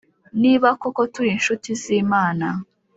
Niba koko turi inshuti z imana